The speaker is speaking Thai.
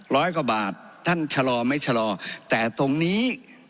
ร้อยกว่าบาทท่านชะลอไม่ชะลอแต่ตรงนี้